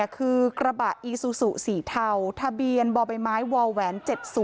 คือกระบะอีซูซูสีเทาทะเบียนบ่อใบไม้วแหวน๗๐